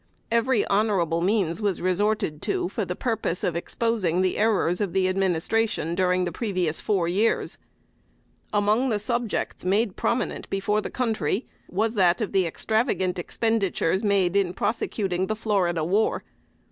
Every honorable means was resorted to for the purpose of exposing the errors of the Administration during the previous four years. Among the subjects made prominent before the country, was that of the extravagant expenditures in prosecuting the "Florida War."